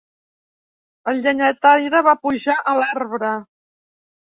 El llenyataire va pujar a l'arbre.